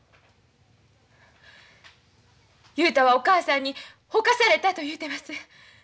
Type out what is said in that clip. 雄太はお母さんにほかされたと言うてます。